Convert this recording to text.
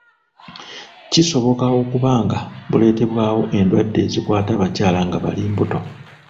Kisobka okuba nga buleetebwawo endwadde ezikwata abakyala nga bali mbuto